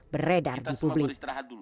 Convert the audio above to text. beredar di publik